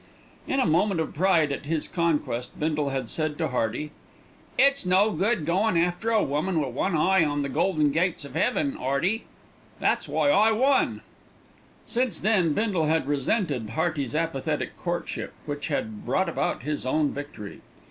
In a moment of pride at his conquest Bindle had said to Hearty: "It's no good goin' after a woman wi' one eye on the golden gates of 'eaven, 'Earty, and that's why I won." Since then Bindle had resented Hearty's apathetic courtship, which had brought about his own victory.